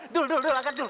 dul dul dul angkat dul